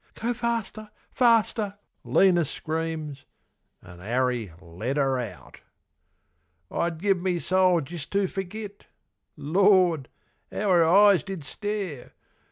"Go faster! faster!" Lena screams. An' 'Arry let 'er out. I'd give me soul jist to ferget. Lord! how 'er eyes did stare!